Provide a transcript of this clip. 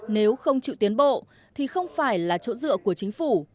nếu không chịu tiến bộ thì không phải là chỗ dựa của chính phủ